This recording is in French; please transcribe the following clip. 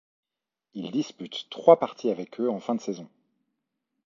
Il dispute trois parties avec eux en fin de saison.